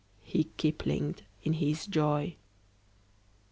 He kiplinged in his joy.